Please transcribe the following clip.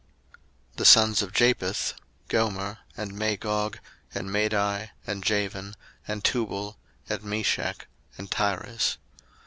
01:010:002 The sons of Japheth; Gomer, and Magog, and Madai, and Javan, and Tubal, and Meshech, and Tiras.